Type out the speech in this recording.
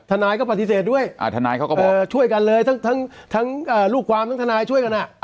ธนายก็ปฏิเสธด้วยช่วยกันเลยทั้งลูกความทั้งธนายช่วยกันอ่ะ